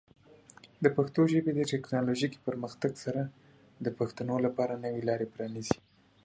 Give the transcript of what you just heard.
د پښتو ژبې د ټیکنالوجیکي پرمختګ سره، د پښتنو لپاره نوې لارې پرانیزي.